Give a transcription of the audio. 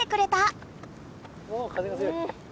お風が強い。